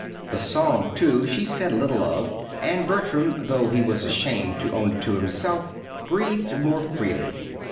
The song, too, she said little of; and Bertram though he was ashamed to own it to himself breathed more freely.